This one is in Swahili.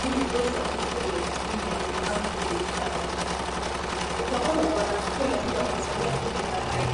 kila Mkristo yumo katika Ukatoliki kwani mbele ya Kristo Kanisa ni moja